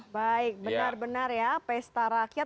baik benar benar ya pesta rakyat